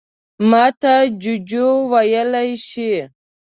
_ماته جُوجُو ويلی شې.